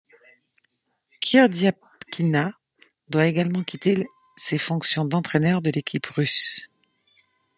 Kirdyapkina doit également quitter ses fonctions d’entraîneur de l'équipe russe.